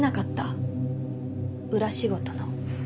裏仕事の。